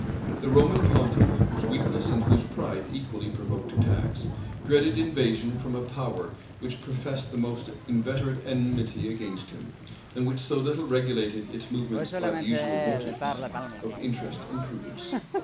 The Roman pontiff, whose weakness and whose pride equally provoked attacks, dreaded invasion from a power which professed the most inveterate enmity against him, and which so little regulated its movements by the usual motives of interest and prudence.